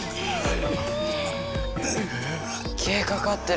きえかかってる。